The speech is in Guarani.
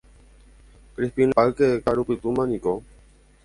Crispín epáyke ka'arupytũma niko